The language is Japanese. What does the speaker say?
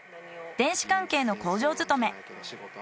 電子関係の工場勤め。